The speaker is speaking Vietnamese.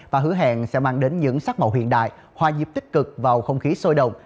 và hứa hẹn sẽ mang đến những sắc màu hiện đại hòa nhịp tích cực vào không khí sôi động